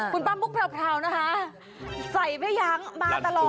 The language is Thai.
คุณป้ามุกราวนะคะใส่ไม่ยั้งมาตลอด